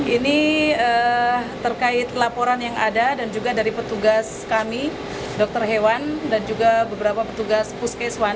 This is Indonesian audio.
ini terkait laporan yang ada dan juga dari petugas kami dokter hewan dan juga beberapa petugas puskeswan